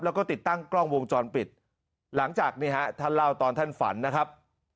แล้วก็ติดตั้งกล้องวงจรปิดหลังจากนี่ฮะท่านเล่าตอนท่านฝันนะครับ